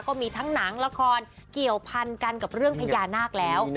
ก็มีทั้งหนังละครเกี่ยวพันกันกับเรื่องพญานาคแล้ว